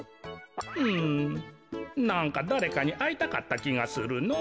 うんなんかだれかにあいたかったきがするのぉ。